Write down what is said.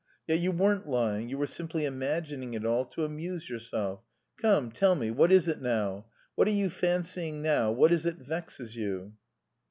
Yet you weren't lying, you were simply imagining it all to amuse yourself. Come, tell me, what is it now? What are you fancying now; what is it vexes you?"